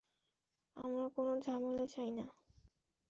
আমরা কোনো ঝামেলা চাই না।